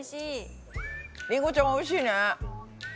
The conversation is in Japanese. りんごちゃんおいしいね。